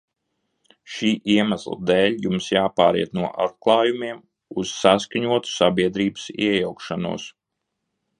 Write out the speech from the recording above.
Šī iemesla dēļ jums jāpāriet no atklājumiem uz saskaņotu sabiedrības iejaukšanos.